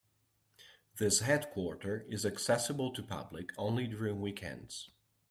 This headquarter is accessible to public only during weekends.